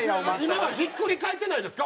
今はひっくり返ってないですか？